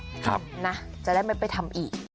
ครับนะจะได้ไม่ไปทำอีก